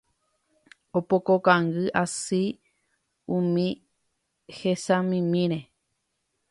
opoko kangy asy umi hesamimíre